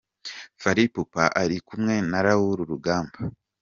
Fally Ipupa ari kumwe na Raoul Rugamba.